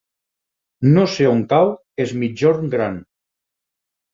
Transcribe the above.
No sé on cau Es Migjorn Gran.